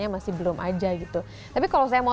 masih belum aja gitu tapi kalau saya mau